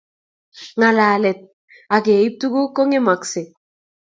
ngalalet ak keibe tuguk kongemakse